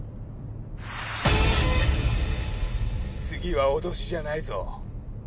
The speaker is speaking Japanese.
次は脅しじゃないぞ。